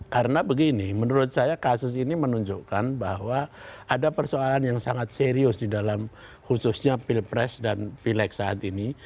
karena begini menurut saya kasus ini menunjukkan bahwa ada persoalan yang sangat serius di dalam khususnya pilpres dan pilek saat ini